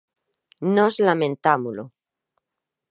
Nós lamentámolo.